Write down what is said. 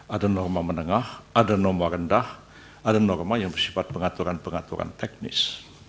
ada norma menengah ada nomor rendah ada norma yang bersifat pengaturan pengaturan teknis